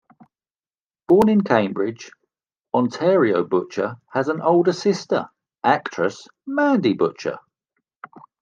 Born in Cambridge, Ontario, Butcher has an older sister, actress Mandy Butcher.